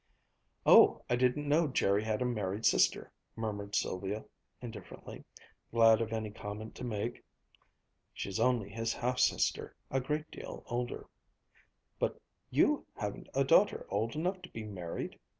"Oh, I didn't know Jerry had a married sister," murmured Sylvia indifferently, glad of any comment to make. "She's only his half sister, a great deal older." "But you haven't a daughter old enough to be married?"